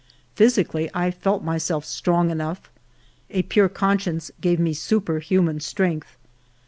Physically I felt myself strong enough ; a pure conscience gave me superhuman strength.